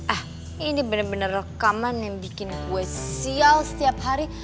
ah ini benar benar rekaman yang bikin gue sial setiap hari